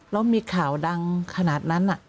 แล้วมีข่าวดังขนาดนั้น